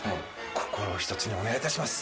心をひとつにお願い致します！